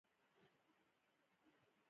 مونږ بايد هدف ولرو